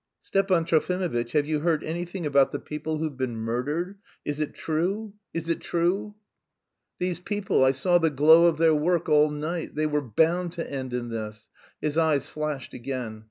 "_ "Stepan Trofimovitch, have you heard anything about the people who've been murdered?... Is it true? Is it true?" "These people! I saw the glow of their work all night. They were bound to end in this...." His eyes flashed again.